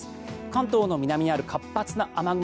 関東の南にある活発な雨雲